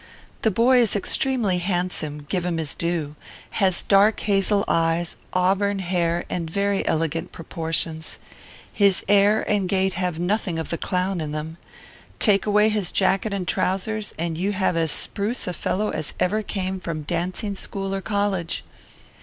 The boy is extremely handsome, give him his due; has dark hazel eyes, auburn hair, and very elegant proportions. His air and gait have nothing of the clown in them. Take away his jacket and trousers, and you have as spruce a fellow as ever came from dancing school or college.